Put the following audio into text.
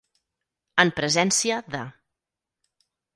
En presència de.